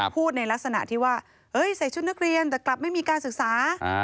พูดในลักษณะที่ว่าใส่ชุดนักเรียนแต่กลับไม่มีการศึกษา